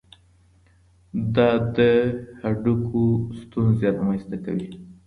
دا د هډوکو ستونزې رامنځته کوي.